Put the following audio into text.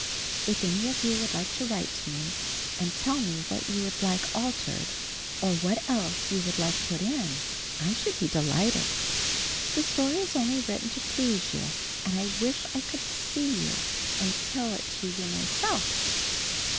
If any of you would write to me and tell me what you would like altered or what else you would like put in, I should be delighted. The story is only written to please you and I wish I could see you and tell it to you myself.